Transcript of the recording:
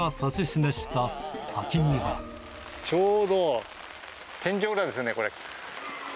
ちょうど天井裏ですね、これ。